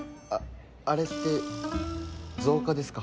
あれって造花ですか？